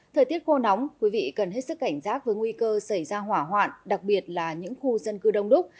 thời tiết khô nóng quý vị cần hết sức cảnh giác với nguy cơ xảy ra hỏa hoạn đặc biệt là những khu dân cư đông đúc